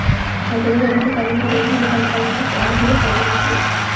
ازادي راډیو د تعلیمات د نجونو لپاره د پرمختګ په اړه هیله څرګنده کړې.